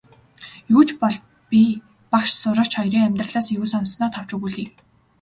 Юу ч бол би багш сурагч хоёрын амьдралаас юу сонссоноо товч өгүүлье.